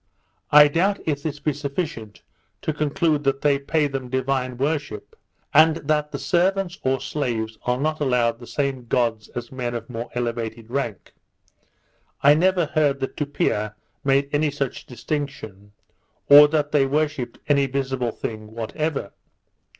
I doubt if this be sufficient to conclude that they pay them divine worship, and that the servants or slaves are not allowed the same gods as men of more elevated rank; I never heard that Tupia made any such distinction, or that they worshipped any visible thing whatever.